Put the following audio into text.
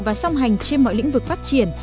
và song hành trên mọi lĩnh vực phát triển